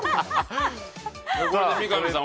これで三上さん